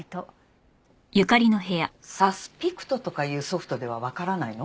サスピクトとかいうソフトではわからないの？